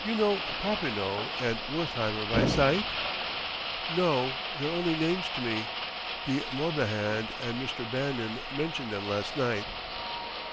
"You know Popinot and Wertheimer by sight?" "No; they're only names to me; De Morbihan and Mr. Bannon mentioned them last night."